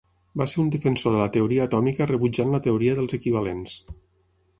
Va ser un defensor de la teoria atòmica rebutjant la teoria dels equivalents.